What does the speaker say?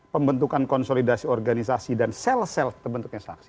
pembentukan konsolidasi organisasi dan sel sel terbentuknya saksi